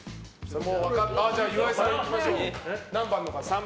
岩井さん、いきましょう。